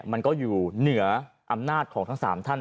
มันก็อยู่เหนืออำนาจของทั้ง๓ท่าน